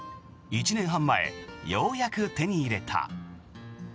１年半前、ようやく手に入れた。